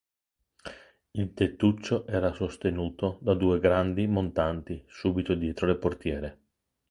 Il tettuccio era sostenuto da due grandi montanti subito dietro le portiere.